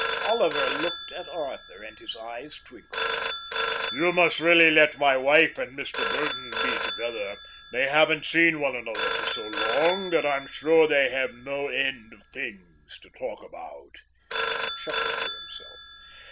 Oliver looked at Arthur, and his eyes twinkled. "You must really let my wife and Mr Burdon be together. They haven't seen one another for so long that I'm sure they have no end of things to talk about." He chuckled to himself.